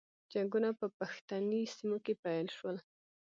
جنګونه په پښتني سیمو کې پیل شول.